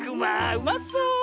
うまそう。